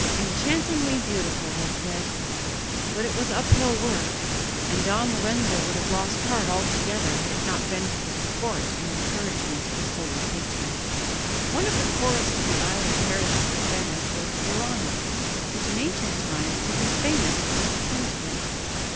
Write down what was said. "Enchantingly beautiful," they said. But it was uphill work, and Don Lorenzo would have lost heart altogether had it not been for the support and encouragement of his holy patron. One of the poorest of the island parishes of Venice was Burano, which in ancient times had been famous for its point lace.